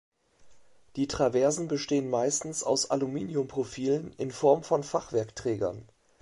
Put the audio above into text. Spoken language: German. Die Traversen bestehen meistens aus Aluminiumprofilen in Form von Fachwerkträgern.